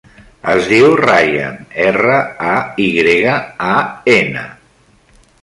Es diu Rayan: erra, a, i grega, a, ena.